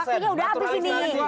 waktunya udah habis ini